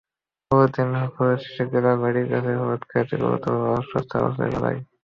পরদিন ভোরে শিশুটিকে তার বাড়ির কাছে হলুদখেতে গুরুতর অসুস্থ অবস্থায় পাওয়া যায়।